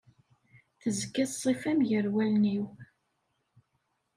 Tezga ṣṣifa-m gar wallen-iw.